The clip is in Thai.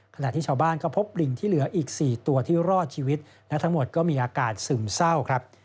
ขณะที่ชาวบ้านก็พบลิงที่เหลืออีก๔ตัวที่รอดชีวิตและทั้งหมดก็มีอาการซึมเศร้าครับ